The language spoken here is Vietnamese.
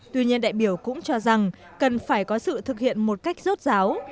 tuy nhiên đại biểu cũng cho rằng cần phải có sự thực hiện một cách rốt ráo